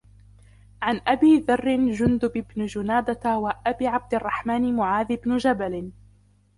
عن أبي ذرٍّ جُندُبِ بنِ جُنَادَةَ وأبي عبدِ الرَّحمنِ مُعاذِ بنِ جبلٍ